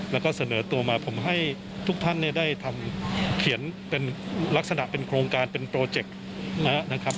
แล้วก็เสนอตัวมาผมให้ทุกท่านได้ทำเขียนเป็นลักษณะเป็นโครงการเป็นโปรเจคนะครับ